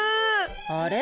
あれ？